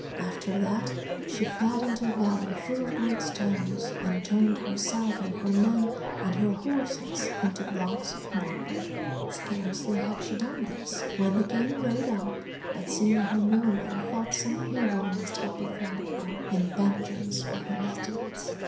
After that she fled into a valley full of great stones, and turned herself and her men and her horses into blocks of marble. Scarcely had she done this when the King rode up, but seeing her nowhere thought some evil must have befallen her in vengeance of her misdeeds.